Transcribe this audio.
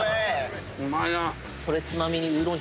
うまいな。